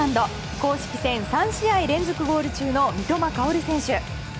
公式戦３試合連続ゴール中の三笘薫選手。